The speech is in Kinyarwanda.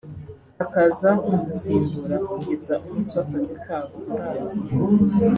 hakaza umusimbura kugeza umunsi w’akazi kabo urangiye)